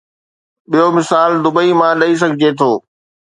ٻيو مثال دبئي مان ڏئي سگهجي ٿو.